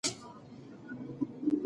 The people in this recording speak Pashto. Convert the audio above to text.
بزګر غوښتل چې کوهی په خاورو پټ کړي.